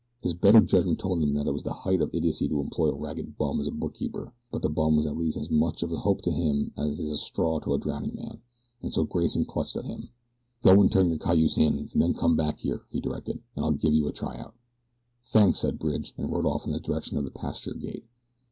His better judgment told him that it was the height of idiocy to employ a ragged bum as a bookkeeper; but the bum was at least as much of a hope to him as is a straw to a drowning man, and so Grayson clutched at him. "Go an' turn your cayuse in an' then come back here," he directed, "an' I'll give you a tryout." "Thanks," said Bridge, and rode off in the direction of the pasture gate.